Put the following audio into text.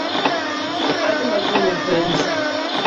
Adwa golo pesa